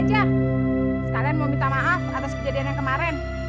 itu tadi pas terpikir